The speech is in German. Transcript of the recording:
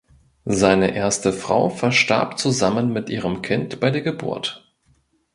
Seine erste Frau verstarb zusammen mit ihrem Kind bei der Geburt.